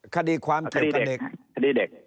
คดีความเกี่ยวกับเด็ก